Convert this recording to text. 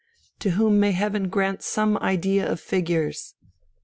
"To whom may Heaven grant some idea of figures!"